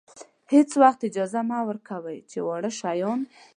هېڅ وخت اجازه مه ورکوئ چې واړه شیان.